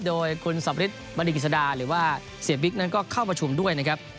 โดยคุณสำริทบริกิจสดาหรือว่าเสียบิ๊กนั้นก็เข้าประชุมด้วยนะครับ